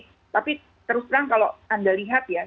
tapi terus terang kalau anda lihat ya